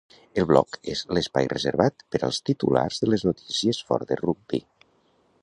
El bloc és l'espai reservat per als titulars de les notícies fora de rugbi.